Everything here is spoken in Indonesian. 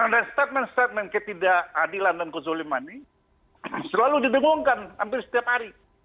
dan statement statement ketidakadilan dan kezuliman ini selalu didengungkan hampir setiap hari